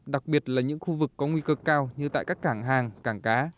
đặc biệt là những khu vực có nguy cơ cao như tại các cảng hàng cảng cá